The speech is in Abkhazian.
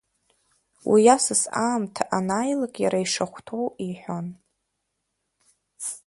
Уи асас аамҭа анааилаак иара ишахәҭоу иҳәон.